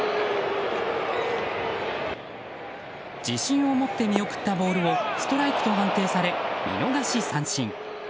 自信を持って見送ったボールをストライクと判定され見逃し三振。